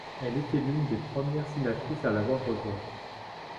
Elle était l'une des premières sénatrices à l'avoir rejoint.